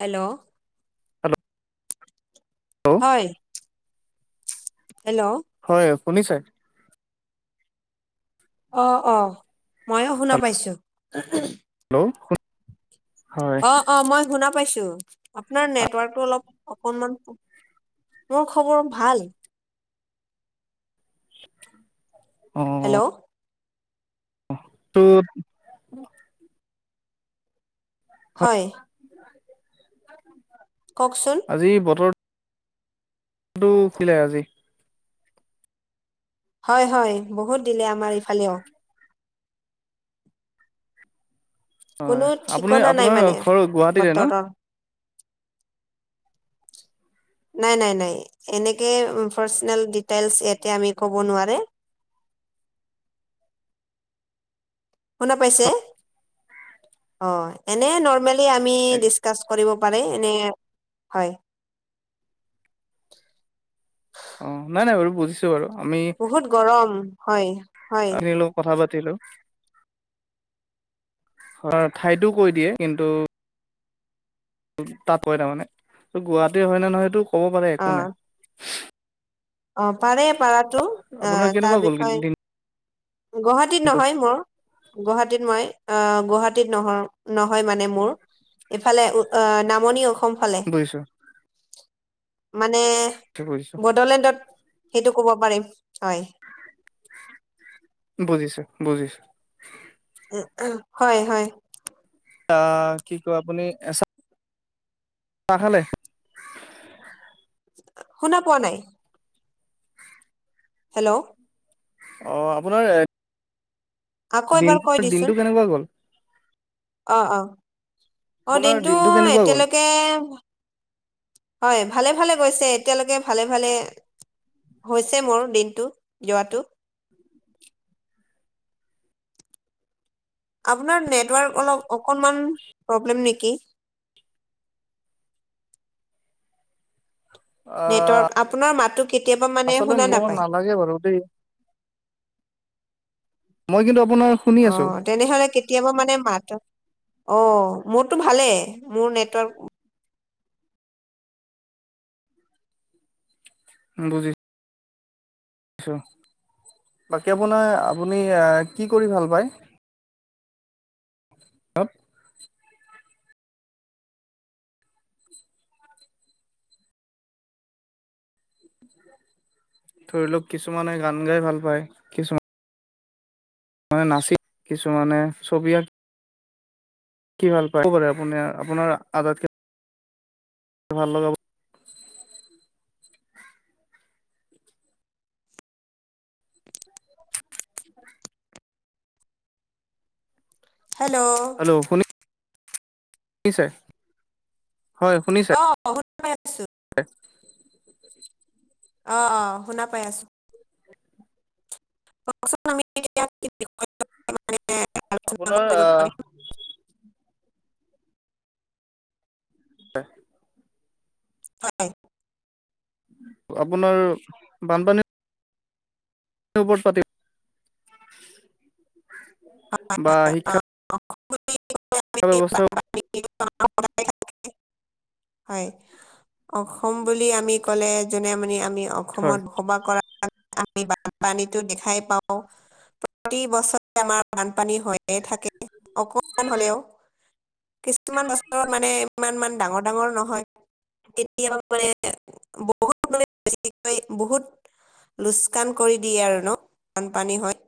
Hello? Hello হয়। Hello? হয়, শুনিছে? অ', অ' ময়ো শুনা পাইছো। হেল্ল'? হয় অ', অ' মই শুনা পাইছো, আপোনাৰ নেটৱৰ্কটো অলপ অকনমান, মোৰ খবৰ ভাল। হেল্ল'? তো হয়। কওকচোন আজি বতৰটো [unintelligible] লে আজি হয়, হয় বহুত দিলে আমাৰ ইফালেও। কোনো হয় আপুনি ঠিকনা নাই আপোনাৰ মানে ঘৰ গুৱাহাটীতে ন বতৰৰ। নাই নাই নাই এনেকে পাৰ্চনেল ডিটেইলছ ইয়াতে আমি ক'ব নোৱাৰে। শুনা পাইছে? অঁ এনেই নৰ্মেলি আমি ডিছ কাছ কৰিব পাৰে। এনে হয়। অ', নাই নাই বাৰু বুজিছো বাৰু আমি। বহুত গৰম, হয়। হয় আমি অলপ কথা পাতিলোঁ, অ' ঠাইতো কৈ দিয়ে। কিন্তু [unintelligible] তাত হয় তাৰমানে, ত গুৱাহাটীৰ হয়নে নহয় সেইটো ক'ব পাৰে অ একো নাই। অ' পাৰে পাৰাটো, অ' আপোনাৰ তাৰ কেনেকুৱা গ'ল বিষয়ে গুৱাহাটীত দিনটো নহয় মোৰ। গুৱাহাটীত মই, অ' গুৱাহাটীত নহ নহয় মানে মোৰ। ইফালে উ আহ নামনি অসম। ফালে বুজিছো মানে বুজিছো বডলেণ্ডত সেইটো ক'ব পাৰিম হয়। বুজিছোঁ, বুজিছোঁ। এ উহ, হয়, হয়। এ কি ক আপুনি এচা চাহ খালে? শুনা পোৱা নাই? হেল্ল'? অ' আপোনাৰ আকৌ দিন এবাৰ কৈ দিচোন দিনটো কেনেকুৱা গ'ল? অ' অ', অ' আপোনাৰ দিনটো কেনেকুৱা গ'ল এতিয়ালৈকে ভা হয় ভালে ভালে গৈছে, এতিয়ালৈকে ভালে ভালে হৈছে মোৰ দিনটো যোৱাটো আপোনাৰ নেটৱৰ্ক অলপ অকণমান প্ৰব্লেম নেকি? নেটৱৰ্ক আপোনাৰ মাতটো কেতিয়াবা মানে শুনা নাপায়। কাটিয়ে কৰোঁ দে। মই কিন্তু আপোনাৰ শুনি অ আছোঁ। তেনেহ'লে কেতিয়াবা মানে মাত, অ' মোৰতো ভালেই মোৰ নেটৱৰ্ক বুজি ছোঁ। বাকী আপোনাৰ আপুনি আ কি কৰি ভাল পায়? অ ধৰি লওঁক কিছুমানে গান গাই ভাল পায়, কিছুমা মানে নাচি কিছুমানে ছবি আঁ কি ভাল পায় [unintelligible] আপুনি আপোনাৰ আটাইতকৈ ভাল লগা হেল্ল'? হেল্ল' শুনি ছে? হয় শুনিছে? অ' অ' শুনি পাই আছোঁ, অ' অ' শুনা পাই আছোঁ। [unintelligible] বিষয়ে আপোনাৰ কৰিব আহ পাৰিম [unintelligible] হয়। আপোনাৰ বানপানী ওপৰত পাতি বা শিক্ষা অ' তাৰ ব্যৱস্থাও বা- হয়, অসম বুলি আমি ক'লে যোনে মানে আমি হয় অসমত বসবাস কৰা আমি বানপানীতো দেখাই পাওঁ। প্ৰতি বছৰে আমাৰ বানপানী হৈয়ে থাকে অকমান হ'লেও। [inaudible] কিমান বছৰত মানে ইমান মান ডাঙৰ। ডাঙৰ নহয় কেতিয়াবা মানে বহুত মানে বেছিকে বহুত লুচকাণ কৰি দিয়ে আৰু ন' বানপানী হৈ।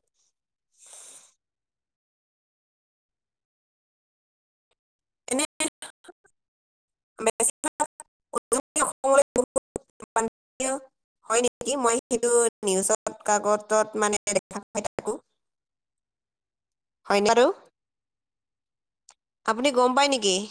এনে [unintelligible] হয় নেকি, মই সেইটো নিউজত কাকতত মানে দেখা পাই থাকো। [inaudible] হয়নে [unintelligible] আপুনি গ'ম পায় নেকি?